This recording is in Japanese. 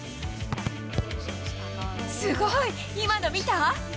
すごい、今の見た？